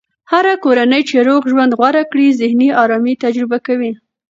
هره کورنۍ چې روغ ژوند غوره کړي، ذهني ارامي تجربه کوي.